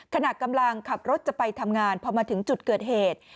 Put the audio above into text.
ขณะกำลังขับรถจะไปทำงานพอมาถึงจุดเกิดเหตุ